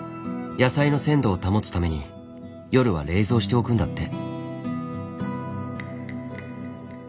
野菜の鮮度を保つために夜は冷蔵しておくんだって。